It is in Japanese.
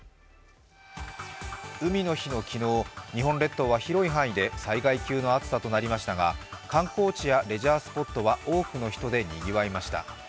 海の日の昨日、日本列島は広い範囲で災害級の暑さとなりましたが観光地やレジャースポットは多くの人でにぎわいました。